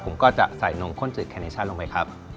ผมก็จะใส่นมข้นจืดแคเนชั่นลงไปครับ